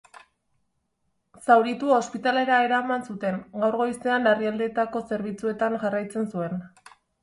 Zauritua ospitalera eraman zuten, gaur goizean larrialdietako zerbitzuetan jarraitzen zuen.